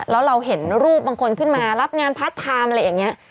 แล้วเราเห็นรูปบางคนขึ้นมารับงานพาร์ทไทม์อะไรอย่างนี้